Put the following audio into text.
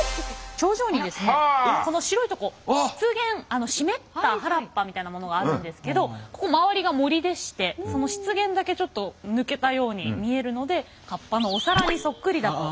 頂上にですねこの白いとこ湿原湿った原っぱみたいなものがあるんですけどここ周りが森でしてその湿原だけちょっと抜けたように見えるのでカッパのお皿にそっくりだと。